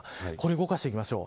動かしていきましょう。